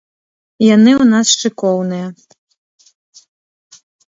Яны ў нас шыкоўныя.